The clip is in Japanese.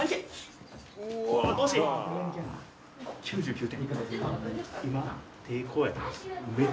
９９点。